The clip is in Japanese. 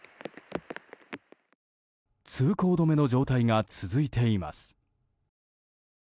通行止めの状態が続いています。